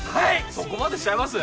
そこまでしちゃいます？